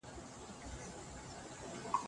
اسلام پرمختګ غواړي.